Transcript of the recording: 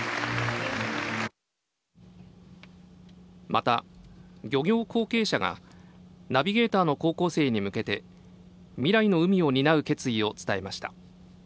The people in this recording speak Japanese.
また、漁業後継者がナビゲーターの高校生に向けて未来の海を担う決意を伝えました。